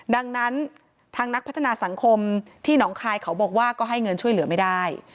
ดังนั้นทางนักพัฒนาสังคมที่หนองคายเขาบอกว่าก็ให้เงินช่วยเหลือไม่ได้